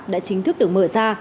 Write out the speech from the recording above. đã chính thức được mở ra